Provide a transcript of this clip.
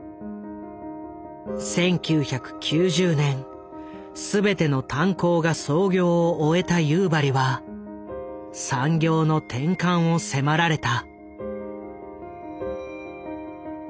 １９９０年全ての炭鉱が操業を終えた夕張は産業の転換を迫られた。